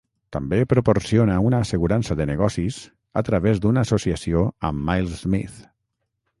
També proporciona una assegurança de negocis a través d'una associació amb Miles Smith.